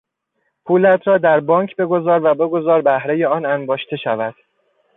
پولت را در بانک بگذار و بگذار بهرهی آن انباشته شود.